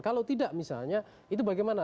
kalau tidak misalnya itu bagaimana